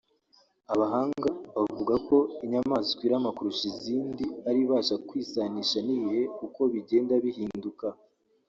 Abahanga bavuga ko inyamaswa irama kurusha izindi ari ibasha kwisanisha n’ibihe uko bigenda bihinduka